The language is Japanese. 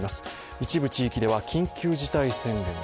一部地域では緊急事態宣言も。